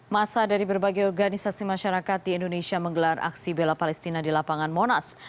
masa dari berbagai organisasi masyarakat di indonesia menggelar aksi bela palestina di lapangan monas